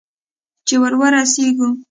چې ور ورسېږو؟